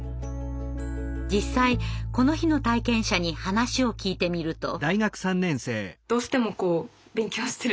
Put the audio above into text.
実際この日の体験者に話を聞いてみると。